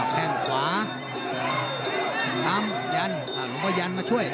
แก้งขวาทำยันแล้วก็ยันมาช่วย